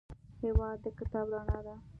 هېواد د کتاب رڼا ده.